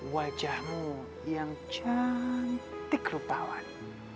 wajahmu yang cantik lupawan